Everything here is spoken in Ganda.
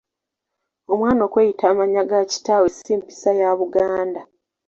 Omwana okweyita amannya ga kitaawe si mpisa ya Buganda.